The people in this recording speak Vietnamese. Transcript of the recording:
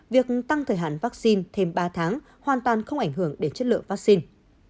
việc tăng thời hạn vaccine thêm ba tháng hoàn toàn không ảnh hưởng đến chất lượng vaccine